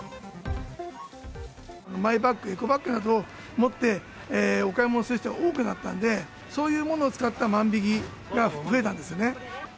マイバッグ、エコバッグなどを持って、お買い物する人が多くなったんで、そういうものを使った万引きが増えたんですね。